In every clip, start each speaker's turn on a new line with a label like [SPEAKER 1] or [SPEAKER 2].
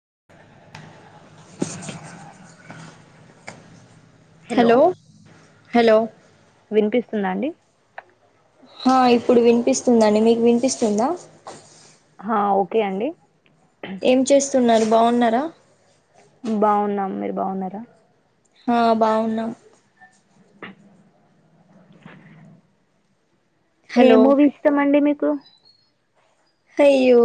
[SPEAKER 1] [unintelligible]
[SPEAKER 2] Hello hello
[SPEAKER 1] వినిపిస్తుందా అండి.
[SPEAKER 2] ఆ ఇప్పుడు వినిపిస్తుందండి, మీకు వినిపిస్తుందా?
[SPEAKER 1] ఆ ఓకే అండి.
[SPEAKER 2] ఏం చేస్తున్నారు, బావున్నర?
[SPEAKER 1] బాగున్నాం, మీరు బాగున్నారా?
[SPEAKER 2] హా బాగున్నా
[SPEAKER 1] ఏ
[SPEAKER 2] హలో
[SPEAKER 1] మూవీ ఇష్టమండి మీకు?
[SPEAKER 2] తయ్యో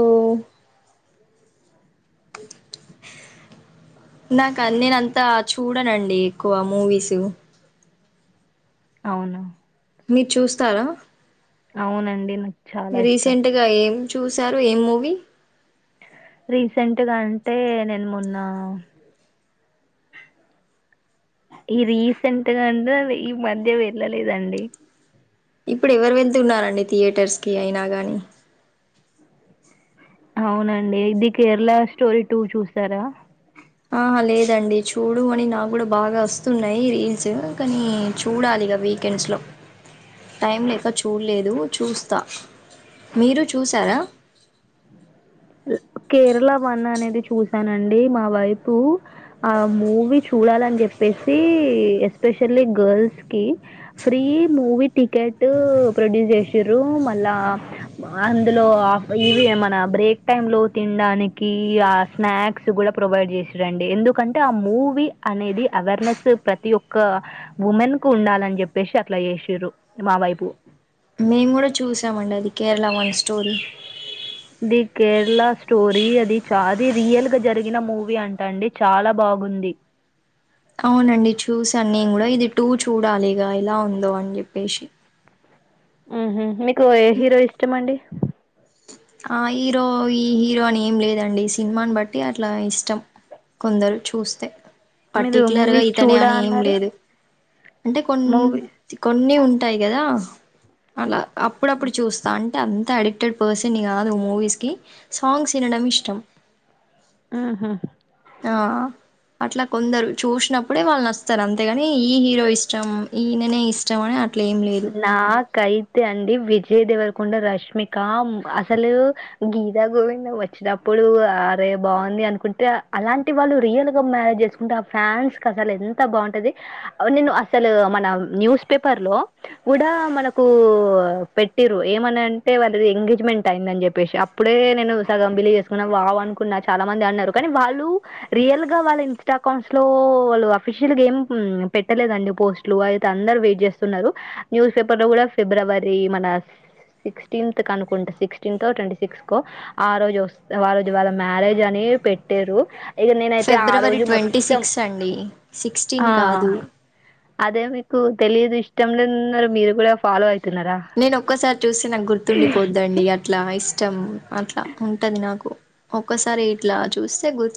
[SPEAKER 2] నాకన్ నేనంత చూడనండి ఎక్కువ మూవీస్.
[SPEAKER 1] అవున
[SPEAKER 2] మీరు చూస్తారా
[SPEAKER 1] అవునండి చాలా ఇష్టం
[SPEAKER 2] రీసెంట్గా ఏం చూసారు ఏం మూవీ
[SPEAKER 1] రీసెంట్గా అంటే నేను మొన్న ఈ రీసెంట్గా ఉంట ఈ మధ్య వెళ్ళలేదండి
[SPEAKER 2] ఇప్పుడు ఎవరు వెళ్తున్నారండి థియేటర్స్ కి అయినా గాని
[SPEAKER 1] అవునండి ఇది కేరళ స్టోరీ టూ చూసారా
[SPEAKER 2] ఆహ లేదండి చూడు అని నా కూడా బాగా వస్తున్నాయి రీల్స్ కానీ చూడాలి ఇగ వీకెండ్స్లో టైం లేక చూడలేదు చూస్తా మీరు చూసారా
[SPEAKER 1] వన్ అనేది చూసానండి మా వైపు ఆ మూవీ చూడాలని చెప్పేసి ఈ ఆక్స్పెషల్లి గర్ల్ కి ఫ్రీ మూవి టికేట్ ప్రొడ్యూస్ చేసి ర్రు మళ్ళా అందులో ఆ ఇవి మన బ్రేక్ టైం లో తినడానికి ఆ స్నాక్స్ కూడా ప్రొవైడ్ చేసిరండి ఎందుకంటే ఆ మూవీ అనేది అవేర్నెస్ ప్రతి ఒక్క ఉమెన్ కు ఉండాలని చెప్పేసి అట్లా చేసిర్రు మా వైపు
[SPEAKER 2] మేము కూడా చూసామండి అది Kerala one story
[SPEAKER 1] the Kerala story అది చ రియల్ గా జరిగిన మూవీ అంటా అండి చాలా బా గుంది
[SPEAKER 2] అవునండి చూసాను నేను కూడా ఇది టూ చూడాలి ఇగ ఏలా ఉందో అని చెప్పేసి
[SPEAKER 1] మ్ హు మీకు ఏ హీరో ఇష్టమండి
[SPEAKER 2] ఆ హీరో ఈ హీరో అని ఏం లేదండి సినిమాని బట్టి అట్లా ఇష్టం కొందరు చూస్తే
[SPEAKER 1] మీరు
[SPEAKER 2] పట్టిక్లేర్గ
[SPEAKER 1] మూవీస్
[SPEAKER 2] ఇతనే
[SPEAKER 1] చూడా
[SPEAKER 2] అని ఏం
[SPEAKER 1] అన్నారు
[SPEAKER 2] లేదు అంటే కొన్
[SPEAKER 1] మూవీ
[SPEAKER 2] కొన్ని ఉంటాయి కదా అలా అప్పుడప్పుడు చూస్తా అం టే అంత అడిక్టెడ్ పర్సన్ కాదు మూవీస్ కి సాంగ్స్ ఇనడం ఇష్టం
[SPEAKER 1] ఉహు
[SPEAKER 2] ఆ అట్లా కొందరు చూసినప్పుడే వాళ్ళు నచ్చతరు అంతేగాని ఈ హీరో ఇష్టం ఈయననే ఇష్టం అని అట్
[SPEAKER 1] నా కై తే అండి విజయ్ దెవరకొండ రష్మిక అసలు గీతా గోవిందం వచ్చినప్ప డు అరే బాగుంది అనుకుంటే అలాంటి వాళ్ళు రియల్ గా మ్యారేజ్ చేసుకుంటే ఆ ఫ్యాన్స్ కసల్ ఎన్ ఎంత బాగుంటది నేను అసలు మన న్యూస్ పేపర్ లో కూడా మనకు పెట్టిర్రు ఏమని అంటే వాళ్ళది ఎంగేజ్మెంట్ అయిందని చెప్పేసి అప్ ప్పుడే నేను సగం బిలీవ్ చేసుకున్నా వావ్ అనుకున్నా చాలా మంది అన్నారు కానీ వాళ్ళు రియల్ గా వాళ్ళ ఇస్ా అకౌంట్స్ లో వాళ్ళు అఫిషియల్ గా ఏం పెట్టలేదండి పోస్ట్లు అయితే అందరు వెయిట్ చేస్తున్నారు న్యూస్ పేపర్ లో కూడా ఫిబ్రవరి మన సిక్స్టెంత్ కనుకుంటా సిక్స్టెంతో ట్వంటీ సిక్స్ కో ఆ రోజు ఒస్ ఆ రోజు వాళ్ళ మ్యారేజ్ అని వి పెట్టారు ఇగ నేనైతే ఆ
[SPEAKER 2] ఫిబ్రవరి
[SPEAKER 1] రోజు
[SPEAKER 2] ట్వంటీ
[SPEAKER 1] మొత్తం
[SPEAKER 2] సిక్స్ అండి సిక్స్టీన్
[SPEAKER 1] ఆ
[SPEAKER 2] కాదు
[SPEAKER 1] అదే మీకు తెలియదు ఇష్టంలో ఉన్నారు మీరు కూడా ఫాలో అయి
[SPEAKER 2] నేను ఒక్కసారి చూస్తే నాకు గుర్తుండిపోద్దండి అట్లా ఐస్ ష్టం అట్లా ఉంటది నాకు ఒక్కసారి ఇట్లా చూస్తే గుర్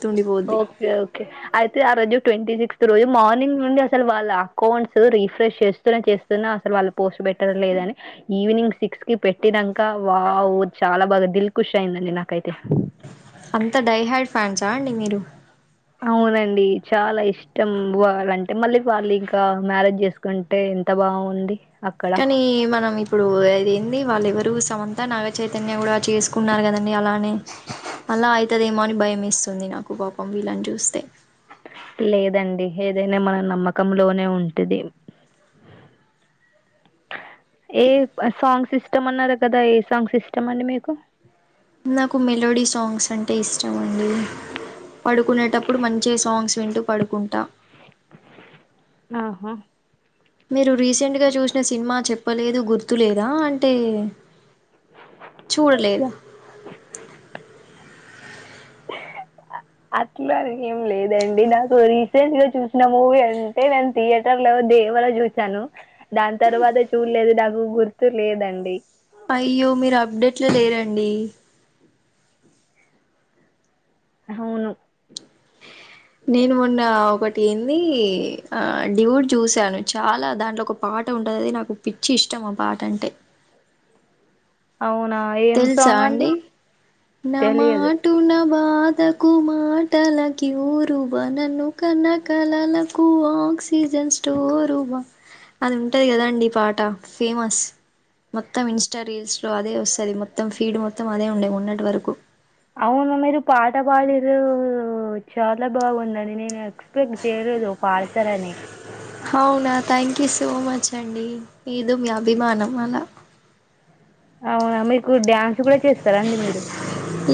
[SPEAKER 1] ఓకే ఓకే అయితే ఆ రోజు ట్వంటీ సిక్స్త్ రోజు మార్నింగ్ నుండి అసలు వాళ్ళ అకౌంట్స్ రీఫ్రెష్ చేస్తునే చేస్తున్నా అసలు వాళ్ళ పోస్ట్ బెటర్ లేదని ఈవినింగ్ సిక్స్ కి పెట్టినంక వావ్ చాలా బాగా దిల్ ఖుష్ అయిందండి నాక్ కైతే
[SPEAKER 2] అంత డై హాడ్ ఫ్యాన్సా అండి మీరు
[SPEAKER 1] అవునండి చాలా ఇష్టం వాళ్ళంటే మళ్ళీ వాళ్ళింకా మ్యారేజ్ చేసుకుంటే ఎంత త బాగుంది అక్కడ
[SPEAKER 2] కానీ మనం ఇప్పుడు అది ఏంది వాళ్ళు ఎవరు సమంత నాగచేతన్య కూడ చేసుకున్నారు కదా అని అలానే మళ్ళ అయితదేమో అని భయం వెస్తుంది నాకు పాపం వీళ్లన్ చూస్తే
[SPEAKER 1] లేదండి ఏదైనా మన నమ్మకం లోనే ఉంటది [inaudible] ఏ సాంగ్ సిస్టమ్ అన్నారు కదా ఏ సాంగ్ సిస్టమ్ అండి మీకు
[SPEAKER 2] నాకు మెలోడీ సాంగ్స్ అంటే ఇష్టం అండి పడుకునేటప్పుడు మంచిగ సాంగ్స్ వింటూ పడుకుంటా
[SPEAKER 1] ఆహా
[SPEAKER 2] మీరు రీసెంట్ గా చూసిన సినిమా చెప్పలేదు గుర్తులేదా అంటే చూడలేదా
[SPEAKER 1] అట్లా అని ఏం లేదండి నాకు రీసెంట్ గా చూసిన మూవీ అంటే నేన్ థియేటర్ లో దేవర చూసాను దాని తర్వాత చూలేదు నాకు గుర్తు లేదండి
[SPEAKER 2] అయ్యో మీరు అప్డేట్ల లేరండి
[SPEAKER 1] హవును
[SPEAKER 2] నేను మొన్న ఒకటి ఏంది ఆ డ్యూడ్ చూసాను చాలా దాంట్ల ఒక పాట ఉంటది నాకు పిచ్చి ఇష్టం ఆ పాట అంటే
[SPEAKER 1] [inaudible] అవునా ఏం సాంగ్ అండి
[SPEAKER 2] న
[SPEAKER 1] తెలియదు
[SPEAKER 2] మాటూన బాధకు మాటల క్యూరువ నన్ను కన్న కలలకు ఆ ఆక్సిజన్ స్టోరువ అది ఉంటది కదండి పాట ఫేమస్ మొత్తం ఇంస్టా రీల్స్ లో అదే వస్తది మొత్తం ఫీడ్ మొత్తం అదే ఉండే మొన్నటి వరకు
[SPEAKER 1] అవును మీరు పాట పాడిర్రు చాలా బాగుందండి నేను అది ఎక్స్పెక్ట్ చేయలేదు పాడతరని
[SPEAKER 2] అవునా థ్యాంక్ యూ సో మచ్ అండి ఏదో మీ అభిమానం అల
[SPEAKER 1] అవునా మీకు డ్యాన్స్ కూడా చేస్తారాండి మీరు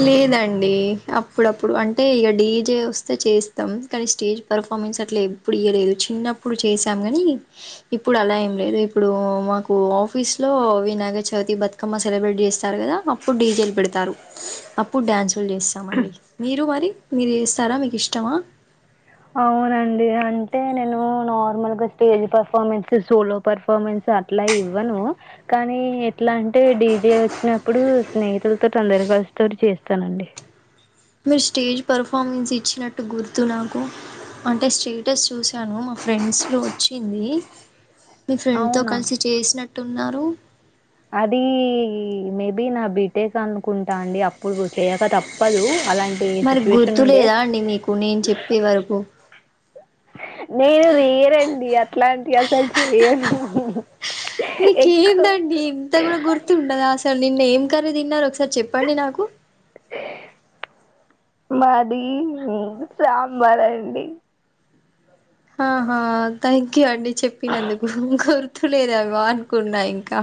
[SPEAKER 2] లేదండి అప్పుడప్పుడు అంటే ఇక డీజే వస్తే చేస్తాం కానీ స్టేజ్ పెర్ఫామ్ స్ అట్ల ఎప్పుడు ఇయ్యలేదు చిన్నప్పుడు చేసాం కాని ఇప్పుడు అలా ఏం లేదు ఇప్పుడు మాకు ఆఫీస్ లో వినాయకచవితి బతుకమ్మ సెలబ్రేట్ చేస్తారు కదా అప్పుడు డీజేలు పెడతారు అప్పుడు డ్యాన్సులు చేస్తామండి మీరు మరి మీరు చేస్తారా మీకు ఇష్టమా
[SPEAKER 1] అవునండి అంటే నేను నార్మల్గా stage performance solo performance so అట్లా ఇవ్వను కానీ ఎట్లా అంటే డీజే వచ్చినప్పుడు స్నేహితులతో తొందర గర్ల్స్ తోటి చేస్తానండి
[SPEAKER 2] మీరు స్టేజ్ పర్ఫార్మెన్స్ ఇచ్చినట్టు గుర్తు నాకు అంటే స్టేటస్ చూశాను మా ఫ్రెండ్స్లో వచ్చింది మీ ఫ్రెండ్తో
[SPEAKER 1] అవునా?
[SPEAKER 2] కలిసి చేసినట్టున్నారు
[SPEAKER 1] అది మేబి నా బీటెక్ అనుకుంటా అండి అప్పుడు చేయక తప్పదు అలాంటి
[SPEAKER 2] మరి
[SPEAKER 1] సిచ్యువేషన్
[SPEAKER 2] గుర్తు
[SPEAKER 1] ఉండే
[SPEAKER 2] లేదా అండి మీకు నేను చెప్పే వరకు
[SPEAKER 1] నేను రేయరండి అట్లాంటివి అసలు చెయను ఎగ్గు
[SPEAKER 2] అంత కూడా గుర్తుంటదా అసలు నిన్న ఏం కర్రీ తిన్నరు ఒకసారి చెప్పండి నాకు
[SPEAKER 1] మాది సాంబార్ అండి
[SPEAKER 2] ఆహా థ్యాంక్ యూ అండి చెప్పినందుకు గుర్ త్తులేదేమో అనుకున్నా ఇంకా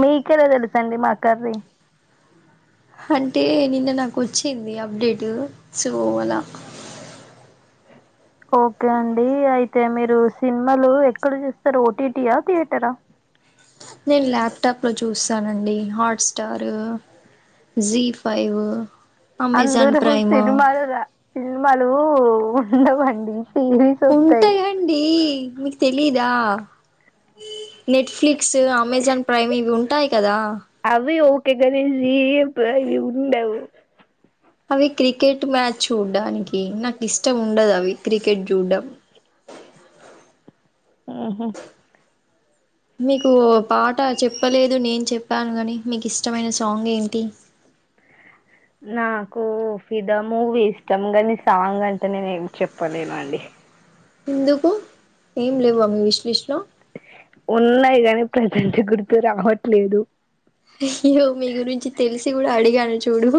[SPEAKER 1] మీకెల తెలుసండి మా కర్రీ
[SPEAKER 2] అంటే నిన్న నాకు వచ్చింది అప్డేట్ సో అలా
[SPEAKER 1] ఓకే అండి అయితే మీరు సినిమాలు ఎక్కడ చూస్తారు ఓటీటీయా థియేటరా
[SPEAKER 2] తానండి హాట్స్టారు జీ ఫైవు
[SPEAKER 1] అందలో సినిమాలు రా సినిమాలు ఉండవండి సిరీస్ వస్తాయి
[SPEAKER 2] ఉంటాయండి మీక్ తెలీయదా నెట్ఫ్లిక్స్ అమెజాన్ ప్రైమ్ ఇవి ఉంటాయి కదా
[SPEAKER 1] అవి ఓకే గణేష్ జీప్పు అవి ఉండవు
[SPEAKER 2] అవి క్రికెట్ మ్యాచ్ చూడ్డానికి నాకు ఇష్టం ఉండదు అవి క్రికెట్ చూడ్డం
[SPEAKER 1] ఆహా
[SPEAKER 2] మీకు పాట చెప్పలేదు నేను చెప్పాను కాని మీకు ఇష్టమైన సాంగ్ ఏంటి
[SPEAKER 1] అ నాకు ఫిదా మూవీ ఇష్టం కానీ సాంగ్ అంటే నేను ఏం చెప్పలేను అండి
[SPEAKER 2] ఎందుకు ఏం లేవు మీ హిస్ట్రీస్ లో
[SPEAKER 1] ఉన్నాయి కాని ప్రజెంట్ గుర్తుకు రావట్లేదు
[SPEAKER 2] ఇది కూడా అడిగాడు చూడు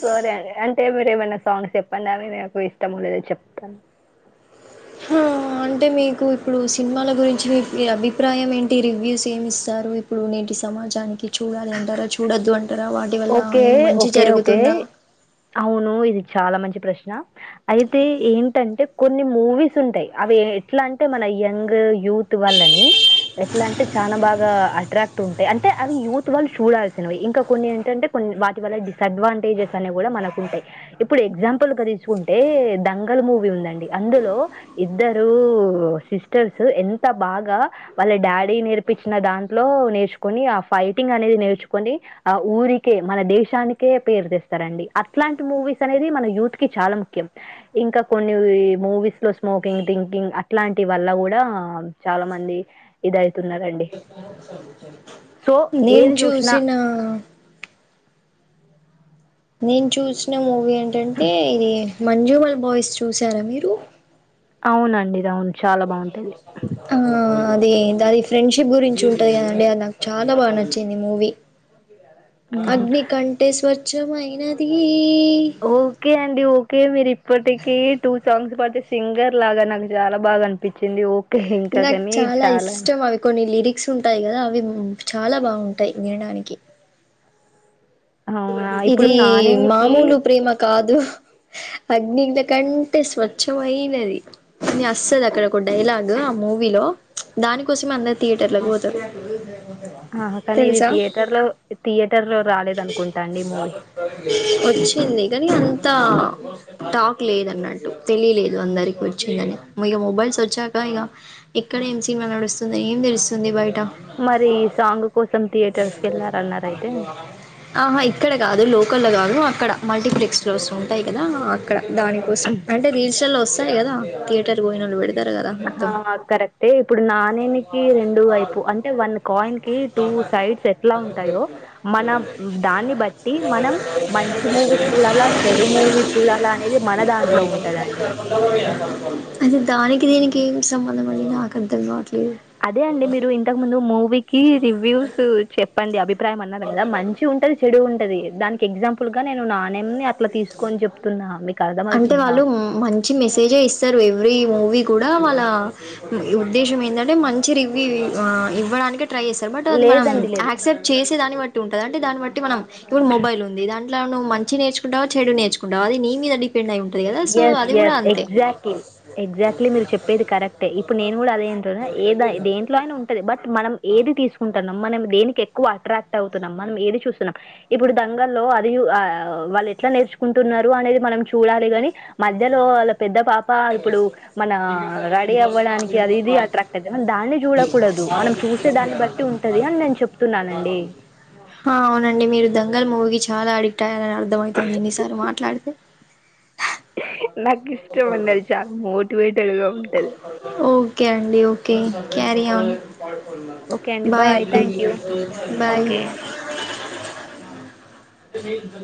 [SPEAKER 1] సరే అండి అంటే మీరు ఏమైనా సాంగ్స్ చెప్పండి మీరు నాకు ఇష్టము ఉందొ లేదో చెప్తాను
[SPEAKER 2] హ అంటే మీకు ఇప్పుడు సినిమాల గురించి మీ అభిప్రాయం ఏంటి రివ్యూస్ ఏమి ఇస్తారు ఇప్పుడు నేటి సమాజానికి చూడాలంటారా చూడొద్దు అంటారా వాటి వల్ల
[SPEAKER 1] ఓకే
[SPEAKER 2] ఏం మంచి
[SPEAKER 1] ఓకే ఓకే
[SPEAKER 2] జరుగుతుందా
[SPEAKER 1] అవును ఇది చాలా మంచి ప్రశ్న అయితే ఏంటంటే కొన్ని మూవీస్ ఉంటాయి అవి ఎట్లా అంటే మన యంగ్ యూత్ వాల్లని ఎట్లా అంటే చాలా బాగా అట్రాక్ట్ ఉంటాయి అంటే అవి యూత్వి వాళ్ళు చూడాల్సినవి ఇంకా కొన్ని అంటే కొన్ని వాటి వల్ల డిస్ అడ్వాంటేజెస్ అనే కూడా మనకు ఉంటాయి ఇప్పుడు ఎగ్జాంపుల్ గా తీసుకుంటే డంగల్ మూవీ ఉందండి అందులో ఇద్దరు సిస్టర్స్ ఎంత బాగా వాళ్ళ డాడీ నేర్పించిన దాంట్లో నేర్చుకొని ఆ ఫైటింగ్ అనేది నేర్చుకొని ఆ ఊరికి మన దేశానికే పేరు తెస్తారండి అట్లాంటి మూవీస్ అనేది మన యూత్ కి చాలా ముఖ్యం ఇంకా కొన్ని మూవీస్ లో స్మోకింగ్ థింకింగ్ అట్లాంటి వల్ల కూడా చాలా మంది ఇది అయితున్నదండీ సో
[SPEAKER 2] నేను
[SPEAKER 1] ఏది చూసినా
[SPEAKER 2] చూసిన నేను చూసిన మూవీ ఏంటంటే ఇది మంజుమల్ బాయ్స్ చూసారా మీరు
[SPEAKER 1] అవునండి ఇది అవును చాలా బాగుంటు
[SPEAKER 2] ఆ అది అది ఫ్రెండ్షిప్ గురించి ఉంటది కదండి అది నాకు చాలా బాగా నచ్చింది మూవీ అగ్ని కంఠే స్వచ్ఛమైనది
[SPEAKER 1] ఓకే అండి ఓకే మీరు ఇప్పటికే టూ సాంగ్స్ పాడారు సింగర్ లాగా నాకు చాలా బాగా అనిపించింది ఇంకా
[SPEAKER 2] నాకు
[SPEAKER 1] కాని
[SPEAKER 2] చాలా ఇష్టం అవి కొన్ని లిరిక్స్ ఉంటాయి కదా అవి చాలా బాగుంటాయి వినడానికి
[SPEAKER 1] అవునా ఇప్పుడు
[SPEAKER 2] ఇది
[SPEAKER 1] నానేనికి
[SPEAKER 2] మాములు ప్రేమ కాదు అగ్నింటి కంటే స్వచ్ఛమయినది అని అస్తది అక్కడ ఒక డైలాగ్ ఆ మూవీలో ప్చ్ దానికోసమే అందరు థియేటర్ లోకి పోతరు
[SPEAKER 1] ఆ కానీ ఇది థియేటర్ లో రాలేదు అనుకుంటా
[SPEAKER 2] వచ్చింది గానీ అంతా టాక్ లేదు అన్నట్టు తెలియలేదు అందరికి వచ్చిందని ఇగా మొబైల్స్ వచ్చాక ఇగా ఇక్కడ ఏం సినిమా నడుస్తుంది ఏం తెలుస్తుంది బయట
[SPEAKER 1] మరి సాంగ్ కోసం థియేటర్స్ కి వెళ్ళారన్నారా అయితే
[SPEAKER 2] ఆహా ఇక్కడ కాదు లోకల్ల కాదు అక్కడ మల్టీప్లెక్స్ ఫ్లోర్స్ ఉంటాయి కదా అక్కడ దాని కోసం అంటే రీల్స్ లలో వస్తాయి కదా థియేటర్ పోయిన వాళ్లు పెడితే
[SPEAKER 1] ఆ కరెక్టే ఇప్పుడు నాణేనికి రెండు వైపు అంటే వన్ కాయిన్ కి టూ సైడ్స్ ఎట్లా ఉంటాయో మన దాన్ని బట్టి మనం మంచి మూవీ చూడాలా చెడు మూవీస్ చూడాలా అనేది మన దాంట్లో ఉంటు
[SPEAKER 2] అసలు దానికి దీనికి ఏం సంబంధం అండి నాకు అర్థం కావాట్లే
[SPEAKER 1] అదే అండి మీరు ఇంతకు ముందు మూవీకిి రివ్యూస్ చెప్పండి అభి అభిప్రాయం అన్నారు కదా మంచి ఉంటది చెడు ఉంటది దానికి ఎగ్జాంపుల్ నేను నా
[SPEAKER 2] అంటే
[SPEAKER 1] అర్థమవుతుందా
[SPEAKER 2] వాళ్ళు మంచి మెసేజే ఇస్తారు ఎవ్రీ మూవీ కూడా వాళ్ళ ఉద్దేశం ఏందంటే మంచి రివ్యూ ఇవ్వడానికి ట్రై చేస్తారు బట్ అది మనం
[SPEAKER 1] లేదండి లేదు
[SPEAKER 2] యాక్సెప్ట్ చేసే దాన్నిబట్టి ఉంటంది దంటే దాన్ని బట్టి మనం ఇప్పుడు మొబైల్ ఉంది దాంట్లో నువ్వు మంచి నేర్చుకుంటావా చెడు నేర్చుకుంటవా అది నీ మీద డిపెండ్ అయి ఉంటుంది కదా సో
[SPEAKER 1] ఎస్
[SPEAKER 2] అది కూడా
[SPEAKER 1] ఎస్
[SPEAKER 2] అంతే
[SPEAKER 1] ఎగ్జాక్ట్లీ ఎగ్జిక్ట్లీ మీరు చెప్పేది కరెక్టే ఇప్పుడు నేను కూడా అదే వింటున్న ఏద దేంట్లో అయినా ఉంటది బట్ మనం ఏది తీసుకుంటాన్నాం మనం దేనికి ఎక్కువ అట్రాక్ట్ అవుతున్నాం మనం ఏది చూస్తున్నాం ఇప్పుడు దంగల్లో అది వాళ్ళ ఎట్లా నేర్చుకుంటున్నారు అనేది మనం చూడాలి గని మధ్యలో పెద్ద పాప ఇప్పుడు మన రెడీ అవ్వడానికి అది ఇది అట్రాక్ట్ అయితది మనం దాన్ని చూడకూడదు మనం చూసే దాన్ని బట్టి ఉంటది అని నేను చెప్తున్నానండి
[SPEAKER 2] ఆ అవునండి మీరు దంగల్ మూవీ చాలా అడిక్ట్ అయ్యారూ అని అర్థం అవుతుంది ఇన్నిసార్లు మాట్లాడితే
[SPEAKER 1] నాకు ఇష్టం అండి అది చాల మోటివేట్
[SPEAKER 2] ఓకే అడి ఓకే క్యారీయాన్
[SPEAKER 1] ఓకే
[SPEAKER 2] బాయ్ అండి
[SPEAKER 1] థాంక్ యూ.
[SPEAKER 2] బాయ్ [inaudible]